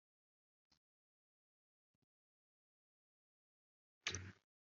iyo nkingi y’agacu yari ihagaze ku muryango w’ihema.